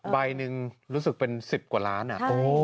ใบหนึ่งรู้สึกเป็น๑๐กว่าล้านอ่ะ